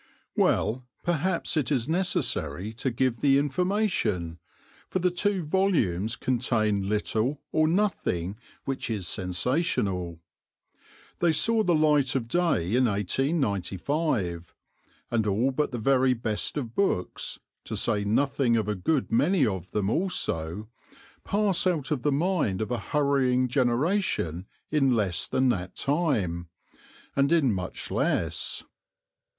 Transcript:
Well, perhaps it is necessary to give the information, for the two volumes contain little or nothing which is sensational, they saw the light of day in 1895, and all but the very best of books, to say nothing of a good many of them also, pass out of the mind of a hurrying generation in less than that time, and in much less.